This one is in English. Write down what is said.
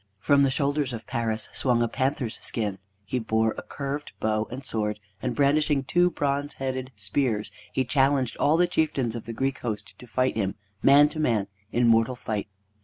From the shoulders of Paris swung a panther's skin. He bore a curved bow and sword, and, brandishing two bronze headed spears, he challenged all the chieftains of the Greek host to fight him, man to man, in mortal fight.